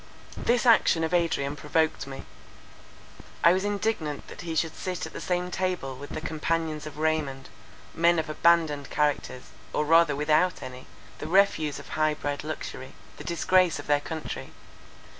This action of Adrian provoked me. I was indignant that he should sit at the same table with the companions of Raymond—men of abandoned characters, or rather without any, the refuse of high bred luxury, the disgrace of their country.